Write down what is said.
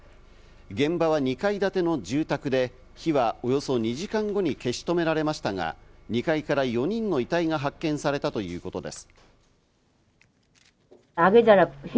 現場は２階建ての住宅で、火はおよそ２時間後に消し止められましたが、２階から４人の遺体が発見されたということです。